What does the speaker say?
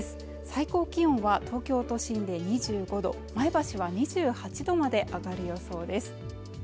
最高気温は東京都心で２５度前橋は２８度まで上がる予想です